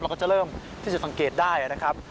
ก็จะเริ่มที่จะสังเกตได้นะครับ